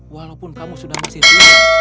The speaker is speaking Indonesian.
walaupun kamu sudah masih tua